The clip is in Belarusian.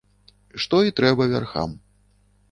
Што і трэба вярхам.